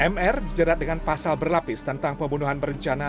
mr dijerat dengan pasal berlapis tentang pembunuhan berencana